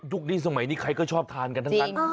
ทุกที่สมัยนี้ใครก็ชอบทานกันทั้ง